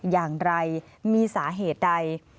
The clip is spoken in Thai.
อย่างไรมีสาเหตุใด